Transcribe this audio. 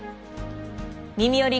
「みみより！